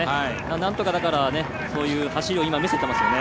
なんとか、そういう走りを見せていますよね。